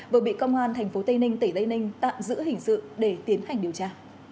vừa bị công an tp tây ninh tỉnh tây ninh tạm giữ hình sự để tiến hành điều tra